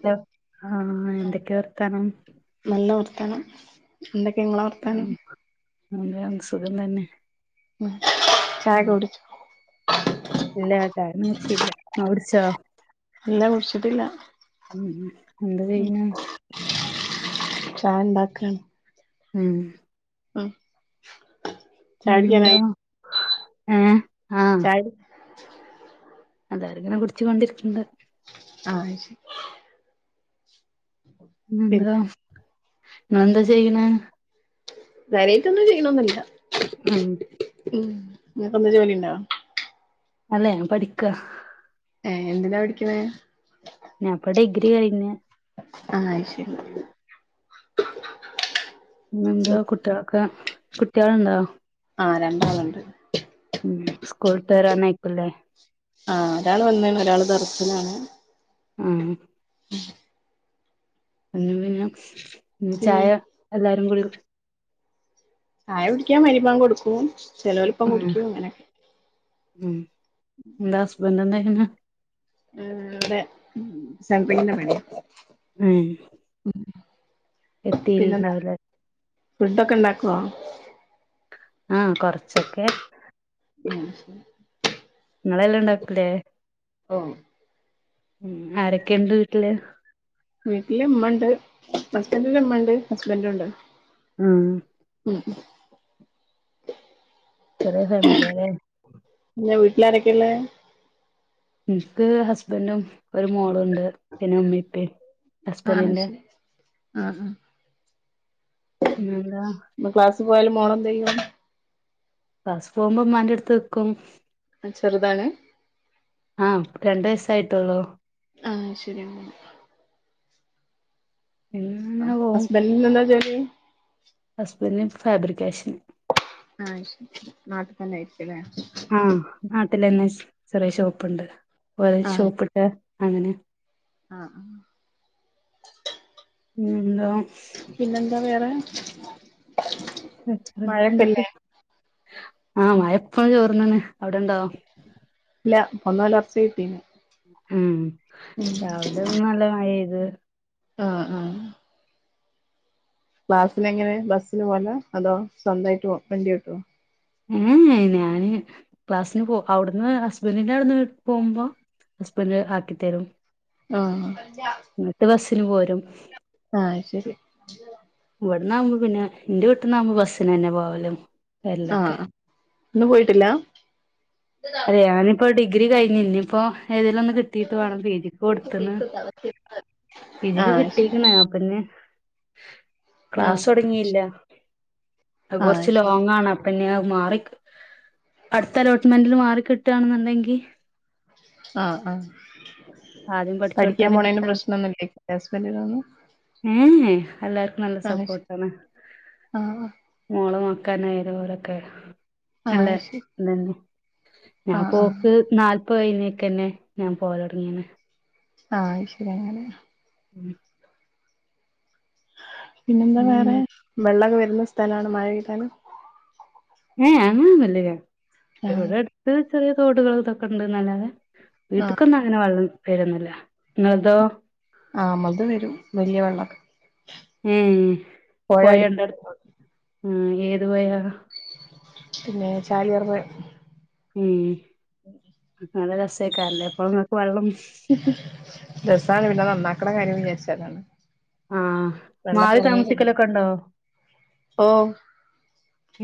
Hello ആ എന്തൊക്കെ വർത്താനം ത്ത എന്തൊക്കെ ഇങ്ങളെ വർത്താനം ഉം [inaudible] സുഖം തന്നെ ഉം ചായ ഉം കുടിച്ചു ഇല്ല ചായൊന്നും കുടിചീല ഇങ്ങള് കുടിച്ചോ ഇല്ല കുടിച്ചിട്ടില്ല ഉം എന്താ ഉം ചെയ്യണ് ചായണ്ടാക്കാണ് ഉം ഉം ചായ പിന്നെന്താ എ ചായടി അതാര ഇങ്ങനെ കുടിച്ചു കൊണ്ടിരിക്ക്ക്‌ണദ് അ അത് ശരി പിന്നെ പിന്നെന്താ ങ്ങളന്താ ചെയ്യണെ കാര്യായിട്ടൊന്നും ചെയ്യണൊന്നില്ല ഉം ഉം ഇങ്ങക്കെന്താ ജോലി ഇ ണ്ടോ അല്ല ഞാൻ പഠിക്ക ഏ എന്തിനാ പഠിക്കിണെ ഞാപ്പ ഡിഗ്രി കയിഞ് ആ അയ് ശരി പിന്നെ എന്താ കുട്ടിളോക്കെ കുട്ടിആൾണ്ടോ അ രണ്ടാള്ണ്ട് ഉം സ്കൂൾ വിട്ട് വരാനായിക്കുല്ലേ അ ഒരാള് വന്നിണ് ഒരാള് ദർസിലാണ് ഉം [unintelligible] പിന്നും പിന്നെ ഉം പിന്നെ ചായ എല്ലാരും കൂടി ചായടിക്കാൻ മഅ രി ബാങ്ഗ് കൊടുക്കും ചെലോലിപ്പം ഉം കുടിക്കും അങ്ങനൊക്കെ ഉം എന്ത ഹസ്ബന്റെ ന്താ ചിയ്യണേ ആ അതെ സെൻട്രിങ്ങി ന്റെ പണി ഉം എത്തിയിൽ ണ്ടാവൂലലേ ഫുഡ്ഡോക്കെ ഇണ്ടാക്കോ അ കൊറച്ചൊക്കെ ഉം ങ്ങളെല്ലാ ഇണ്ടാക്കൂലെ ഓഹ് ഉം ആരൊക്കെണ്ട് വീട്ടില് വീട്ടില ഇമ്മണ്ട് ഹസ്ബന്റി ന്റെ ഇമ്മണ്ട് ഹസ്ബന്റുണ്ട് ആ കുറേ ഫാമലിലെ ട്ടിലാരൊക്കെള്ളെ ഇനിക്ക് ഹസ്ബറ്റും ഒരു മോളുണ്ട് ണ്ട് പിന്നെ ഉമ്മി ഇപ്പി ഹസ്ബറ്റിന്റെ ആ ആ പിന്നെന്താ പോയാൽ മോൾ എന്തെയ്യും ബസ് പോകുമ്പോ ഉമ്മന്റെടുത്ത് നിക്കും ചെറുതാണ് ആ രണ്ട് വയസായിട്ടേള്ളൂ ആ ശരിയ പിന്നെ അങ്ങനെ പോവും ഹസ്ബൻറ്റിന് എന്താ ജോലി ഹസ്ബൻഡ് ഫാബ്രിക്കേഷൻ ആ നാട്ട തന്നെ [unintelligible] ആയിരിക്കില്ലേ ആ നാട്ടിലന്നെ ചെറിയ ഷോപ്പുണ്ട് ഷോപ്പിട്ട് [unintelligible] അങ്ങനെ ആ ആ എന്ത പിന്നെന്താ വേറെ അന്തൊക്കെ മഴയൊക്കെല്ലേ ആ മഴ ഇപ്പം ചോർന്ന്ണ് അവിടെണ്ടോ ഇല്ല ഇപ്പൊന്നലർച്ച കട്ടീണ് ഉം രാവിലെ ഒന്ന് നല്ല മഴയ്‌ത് ആ ആ ക്ലാസിന് എങ്ങനെ ബസിന് പോവലാ അതോ സ്വന്തായിട്ട് വണ്ടി ഓട്ടോ ഏ ഞാന് ക്ലാസ്സിന് പോ അവിടുന്ന് ഹസ്ബറ്റിന്റെ അവിടുന്ന് പോകുമ്പോ ഹസ്ബൻഡ് ആക്കിത്തരും ആ [unintelligible] പോരും ആ ശെരി ഇവിട്ന്നാവുമ്പോ പിന്നെ ന്റെ വീട്ട്ന്നാവകുമ്പോ ബസ്സിനെ ന്നെ പോവലും വരലൊക്കെ ആഹ് ഇന്ന് പോയിട്ടില്ല അല്ല ഞാനിപ്പോ ഡിഗ്രി കഴിഞ്ഞു ഇനിയിപ്പോ ഏതേലും ഒന്ന് കിട്ടീട്ട് വേണം പിജിക്ക് കൊടുത്ത്ണ് ഇതില് [unintelligible] ആഹ് ശരി കിട്ടിക്ക്ണ് അപ്പഞ്ഞ് ആഹ് ക്ലാസ്സ് തോടങ്ങിയില്ല അഹ് ആഹ് കൊറച്ച് ശരി ലോങ്ങാണ് പിന്നെ മാറി അടുത്ത അലോട്ട്മെന്റല് മാറികിട്ടണ്ന്നങ്കി ആ ആ ആദ്യം പഠിക്കാൻ പഠിച്ചോടത്തന്നെ പോണേന് കിട്ടാ പ്രശ്നൊന്നുല്ലേ ഹസ്ബന്റിനൊന്നും ഏ എല്ലാർക്കും നല്ല ശരി സപ്പോർട്ടാണ് ആഹ് മോള [inaudible] ഓരൊക്കെ ആഹ് ശരി നല്ലഇതെനെ ആഹ് ആഹ് ഞാൻപോക്ക് നാല്പ്ത്കഴിഞ്ഞേക്കെന്നെ ഞാൻ പോലൊടങ്ങിക്ണ് ആ ശരിയണ [inaudible] പിന്നെന്താ വേറെ വെള്ളക്കെ വരുന്ന സ്ഥലണേ മഴപെയ്യ്താലും ഏ അങ്ങനെന്നുല്ല ആഹ് ഇവിടെ അടുത്ത് ചെറിയ തോടുകളും ഇതൊക്കെണ്ട്ല്ലാതെ ആഹ് വീട്ടിക്കൊന്നും അങ്ങനെ വെള്ളം വരുന്നുല്ല ഇങ്ങളതോ ആ മ്മള്ത് വരും വലിയ വെള്ളമൊക്കെ ഉം പോയണ്ടോ അടു ത് ഏത് പോയാ പിന്നെ ചാലിയാർ പൊഴ ഉം അള രസേക്കാരല്ലേ എപ്പഴ നിങ്ങക്ക് വെള്ളം രസാണ് പിന്നെ നന്നാക്കണ കാര്യം വിചാരിച്ചാലാണ് ആഹ് മാറി വെള്ളംങ്ങ താമസിക്കലൊക്കെ ഉണ്ടോ [inaudible] ഓ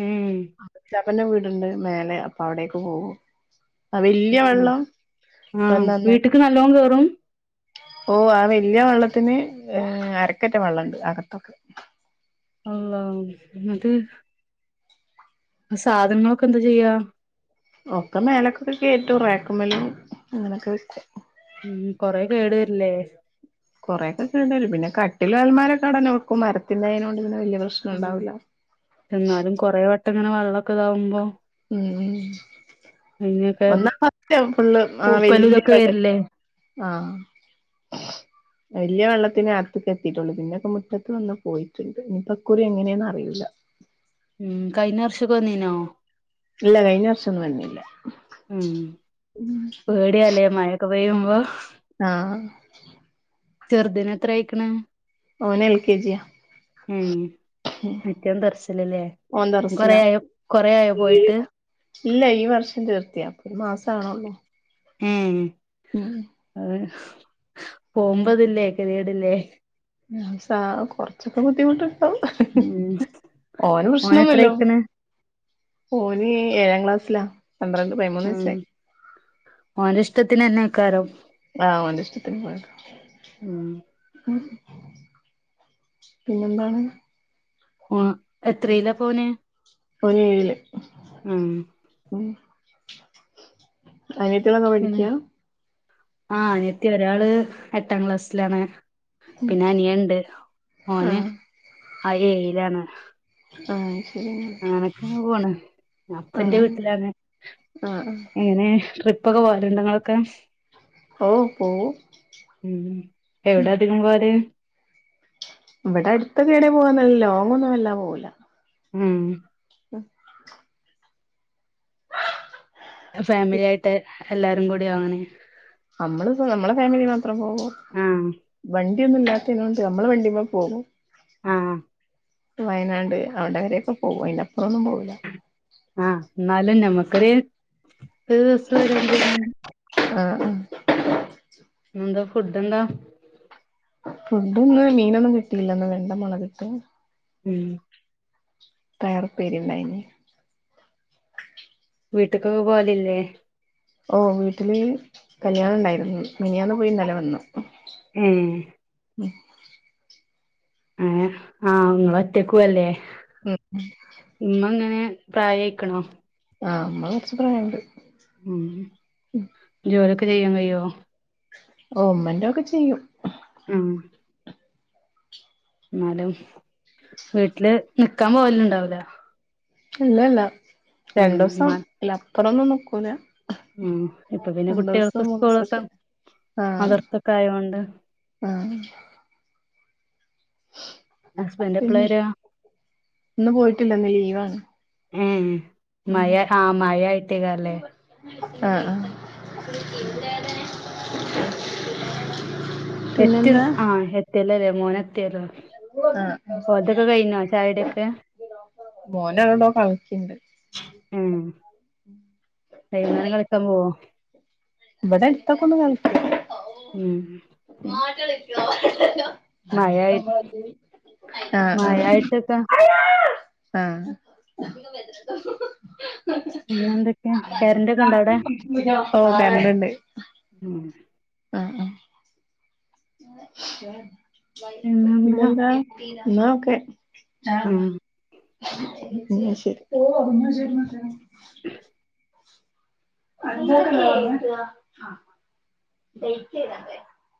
ഏഹ് ചാപ്പന്റെ വീടുണ്ട് മേലെ അപ്പൊ അവിടേക്ക് പോകും ആ വല്യ ഏഹ് വെള്ളം ആഹ് അപ്പൊന്നാന്നായി വീട്ട്ക്ക് നല്ലോം കേറും ഓ ആ വലിയ വെള്ളത്തിന് ഏർ അരക്കെറ്റ വെള്ളംണ്ട് അകത്തൊക്കെ അള്ള അത് സാധനങ്ങളൊക്കെ എന്താ ചെയ്യാ ഒക്കെ മേലക്കൊക്കെ കേറ്റു റാക്ക്മലും അങ്ങനെയൊക്കെ വെക്കും ഉം കൊറെ കേട് വരില്ലേ കുറെക്കെ കേടുവരും പിന്നെ കട്ടില് അൽമാരൊക്കെ അവിട്ടന്നെ വെക്കും മരത്തിന്റൊയ്ന കൊണ്ട് പിന്നെ വല്യ പ്രശ്നം ആ ഉണ്ടാവൂല്ല എന്നാലും കൊറെ വട്ടം ഇങ്ങനെ വെള്ളോക്കെ ഇതാവുമ്പോ ഉം അതിനൊക്കെ ഒന്നാ പത്തേ ഫുള്ള് ആ പൂപ്പലും വല്യ ഇതൊക്കെ അതെ അതെ വരില്ലേ ആ വലിയ വെള്ളത്തിന അകത്തെക്ക് എത്തിട്ടുള്ളു പിന്നൊക്കെ മുറ്റത്ത് വന്ന് പോയിട്ടുണ്ട് ഇനിപ്പൊക്കുറി എങ്ങനെയാന്ന് അറിയില്ല ഉം കഴിഞ്ഞ വർഷക്കെ വന്നിനോ ഇല്ല കഴിഞ്ഞ വർഷം ഒന്നും വന്നില്ല ഉം പേടിയല്ലേ മഴൊക്കെ പെയ്യുമ്പോ ആഹ് ചെറുതിന് എത്ര ആയിക്കണ് ഓന് എൽ കെ ജിയാ ഉം മറ്റവും തെറച്ചിലല്ലേ ഓൻ ദർസിലാ കൊറെയായൊ കൊറെ ആയോ പോയിട്ട് ഇല്ല ഈ വർഷം ചീർത്തിയാ അപ്പൊ ഒരു മാസാവണൊള്ളു ഉം അതെ പോമ്പതില്ലേ കെതികേടില്ലേ സ കൊറച്ചൊക്കെ ബുദ്ധിമുട്ട് ഉം ഓന് എത്ര പ്രശ്നൊന്നുല്ലോ ആയിക്കണ് ഓന് ഏഴാം ക്ലാസ്സില പന്ത്രണ്ട് പതിമൂന്ന് വയസ്സായി ഓന് ഇഷ്ടത്തിന്ന്ന്നെ കാരോം ആ ഓന്റിഷ്ടത്തിന് നടക്കാ ഉം ഉം പിന്നെന്താണ് ആ എത്രയ്ലാ പ്പോന് പ്പ അവന് ഏഴില് ഉം അയ്നായ്ട്ടൊള്ളതാ പഠിക്ക പിന്നെ ആ അനിയത്തി ഒരാള് എട്ടാം ക്ലാസ്സിലാണ് പിന്നെ അനിയനുണ്ട് ഓന് ആഹ് ആ ഏയിലാണ് ആ ആനക്കങ്ങ് പോണ് അപ്പന്റെ ആഹ് വീട്ടിലാണ് ആഹ് ആഹ് എങ്ങനെ ട്രിപ് ഇപ്പൊക്കെ പോലുണ്ടങ്ങളൊക്കെ ഓഹ് പോവും ഉം എവിടെ അധികം പോര് ഇവിടെ അടുത്തൊ കേടെ പോകനല്ല ലോങ്ങൊന്നും വല്ല പോകില്ല ഉം [unintelligible] ഫാമിലി ആയിട്ട് എല്ലാരും കൂടിയൊ അങ്ങനെ നമ്മള് നമ്മളെ ഫാമിലി മാത്രം പോവ ആഹ് വണ് ട്ടിയും ഒന്നില്ലാത്തെനോണ്ട് നമ്മെള വണ്ടിമേ പോകും ആ വയനാട് അവിടെവരെക്കെ പോകും അയ്ന ആ എന്നാലും ഞമക്കറെ ഒരു ദിവസം ഒരു അഞ്ച് മ ആഹ് ആഹ് ന്താ ഫുഡ്‌ എന്താ? ഫുഡ് ഒന്ന് മീനൊന്നും കിട്ടിയില്ലന്ന്. വെണ്ട മുളകിട്ട ഉം പയർ പ്പേരിണ്ടായിന്. വീട്ട്ക്കൊക്കെ പോവലില്ലേ? ഓ, വീട്ടില് കല്യാണണ്ടായിരുന്നു, മിനിയാന്ന്, പോയി, ഇന്നെലവന്നു. ഏഹ [inaudible] ഏ ആ, ങ്ങള്റ്റക്കും അല്ലേ. ഉം, പ്രായായിക്കണോ? ആ, അമ്മളെകൊറച്ച് പ്രായണ്ട്. ഉം, ജോലിയൊക്കെചെയ്യാൻ, കയോ ഓ, ഉമ്മന്റെഒകൊചെയ്യും. ആഹ. ന്നാലും വീട്ടില് നിക്കാൻ, പോവലുണ്ടാവല ഇല്ല, ല്ല, ഉമ്മാ രണ്ടൂസംല്ലപ്പറൊന്നും. നിക്കൂല. ഉം, ഇപ്പൊ പിന്നെ കുട്ടിൾക്ക് രണ്ടൂസം സ്കൂളൊക്കെ മൂന്നൂസൊക്കെ ആഹ് മദ്രസ ക്കൊയൊണ്ട്. ആഹ് എപ്പളാ പിന്നെ, വരാ ന്ന്പോയിട്ടില്ലന്ന് ലീവാണ്. എ ഉം മഴആആയിട്ടേയ്ക്കാരം. ല്ലേ ആആ എററൽ ആ എറ്റല്ലല്ലേ, മോന ആഹ് ഓല്തൊക്കെ കയ്ഞ്ഞോ ചായകുടിക്കെ മോനണ്ടോ കളക്കിണ്ട്. ആം, [inaudible] കൈകുന്നേരംകളിക്കാൻ പോവോ? ഇവെടെട്തൊക്കെ ഒന്ന് കളി ഉം [unintelligible] ആ, ആ മഴയായി മഴയായിട്ടൊക്കെ പിന്നെ എന്തൊക്കെ കരന്റൊക്കെ ഉണ്ടോ അവിടെ [unintelligible] ആഹ ഓ, കരണ്ട്ണ്ട്. ഉം ആഹ് ആഹ് പിന്നെന്താ എന്നാ ഒക്കെ. ആ, ഉം ശരി [unintelligible] [inaudible] [unintelligible]